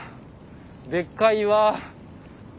でっかい岩！